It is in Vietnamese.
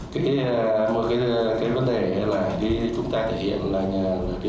hệ thống tín hiệu trên tuyến không đồng bộ về công nghệ kỹ thuật